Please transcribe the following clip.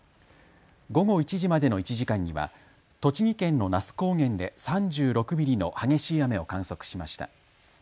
午後１時までの１時間には栃木県の那須高原で３６ミリの激しい雨を観測しました。